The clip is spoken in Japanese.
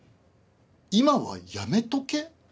今はやめとけ？